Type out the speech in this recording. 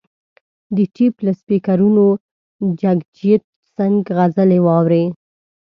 د ټیپ له سپیکرونو جګجیت سنګ غزلې واوري.